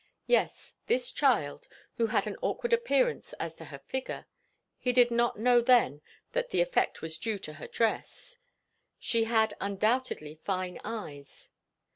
Yes, this child, who had an awkward appearance as to her figure he did not know then that the effect was due to her dress she had undoubtedly fine eyes.